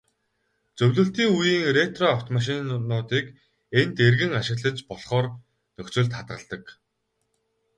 Зөвлөлтийн үеийн ретро автомашинуудыг энд эргэн ашиглаж болохоор нөхцөлд хадгалдаг.